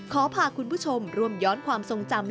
ขอพาคุณผู้ชมร่วมย้อนความทรงจำ